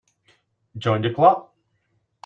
Join the Club.